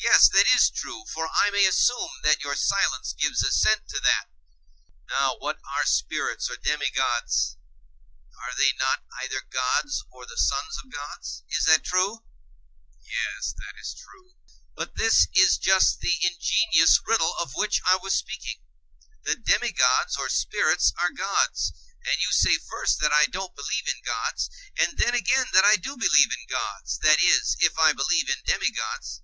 Yes, that is true, for I may assume that your silence gives assent to that. Now what are spirits or demigods? are they not either gods or the sons of gods? Is that true? Yes, that is true. But this is just the ingenious riddle of which I was speaking: the demigods or spirits are gods, and you say first that I don't believe in gods, and then again that I do believe in gods; that is, if I believe in demigods.